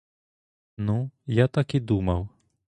Ну, я так і думав.